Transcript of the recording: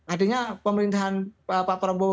adanya pemerintahan pak prabowo